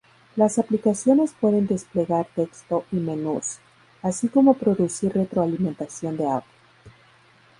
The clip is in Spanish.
Las aplicaciones pueden desplegar texto y menús, así como producir retroalimentación de audio.